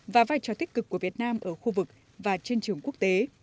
và vai trò tích cực của việt nam ở khu vực và trên trường quốc tế